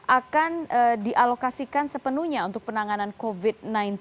akan dialokasikan sepenuhnya untuk penanganan covid sembilan belas